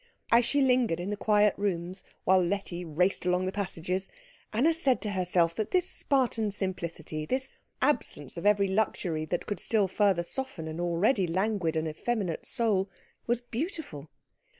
As she lingered in the quiet rooms, while Letty raced along the passages, Anna said to herself that this Spartan simplicity, this absence of every luxury that could still further soften an already languid and effeminate soul, was beautiful.